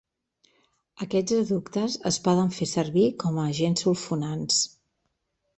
Aquests adductes es poden fer servir com a agents sulfonants.